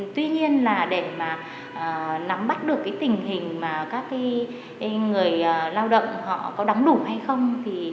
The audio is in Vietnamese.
tuy nhiên để nắm bắt được tình hình các người lao động có đúng đủ hay không